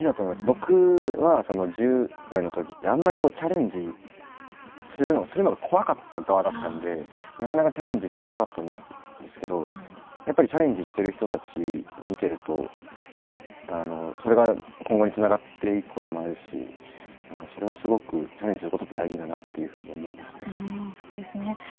僕は、１０代のときってあんまりチャレンジするのが怖かった側だったんでなかなかチャレンジしていけなかったんですけどやっぱりチャレンジしている人たちを見るとそれが今後につながっていくことになるしそれは、すごくチャレンジすることって大事だなっていうふうに思います。